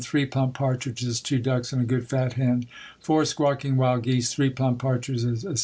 Three plump partridges, two ducks and a good fat hen. Four squawking wild geese, three plump partridges, etc.